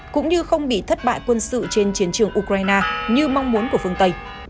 cũng như không bị thất bại quân sự trên chiến trường ukraine như mong muốn của phương tây